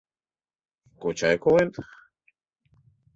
— Кочай колен?